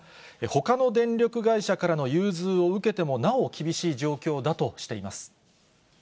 ほかの電力会社からの融通を受けてもなお厳しい状況だとしています。